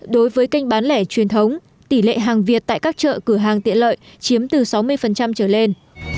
đối với kênh bán lẻ truyền thống tỷ lệ hàng việt tại các chợ cửa hàng tiện lợi chiếm từ sáu mươi trở lên